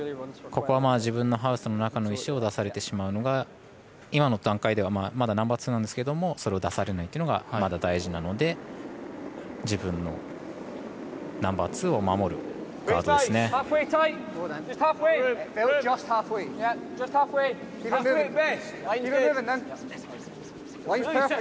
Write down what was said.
ここは、自分のハウスの中の石を出されてしまうのが今の段階ではまだナンバーツーなんですけどもそれを出されないっていうのが大事なので自分のナンバーツーを守るガードですね。